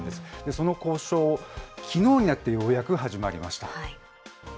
その交渉、きのうになってようやく始まりました。